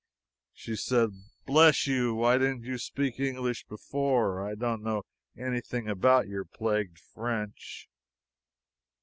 She said: "Bless you, why didn't you speak English before? I don't know anything about your plagued French!"